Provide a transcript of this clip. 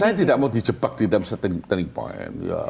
saya tidak mau di jebak di dalam setting turning point